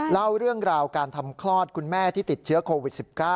เล่าเรื่องราวการทำคลอดคุณแม่ที่ติดเชื้อโควิด๑๙